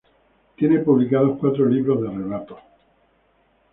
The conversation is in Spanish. Tiene publicados cuatro libros de relatos.